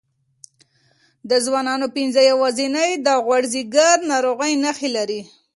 د ځوانانو پنځه یوازینۍ د غوړ ځیګر ناروغۍ نښې لري.